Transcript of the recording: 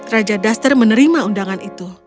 raja duster menerima undangan itu